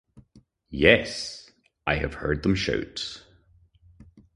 Yes, I have heard them shout.